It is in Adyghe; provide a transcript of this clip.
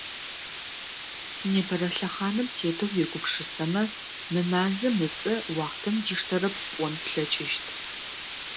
Непэрэ лъэхъаным тетэу уегупшысэмэ, мы мазэм ыцӏэ уахътэм диштэрэп пӏон плъэкӏыщт.